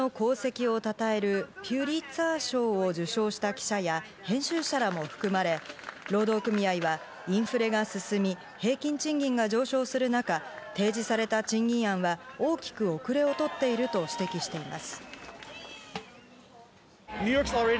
報道の功績をたたえるピューリッツァー賞を受賞した記者や、編集者らも含まれ、労働組合はインフレが進み、平均賃金が上昇するなか、提示された賃金案は大きく遅れを取っていると指摘しています。